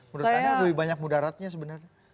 menurut anda lebih banyak mudaratnya sebenarnya